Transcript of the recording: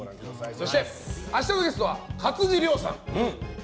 そして、明日のゲストは勝地涼さん。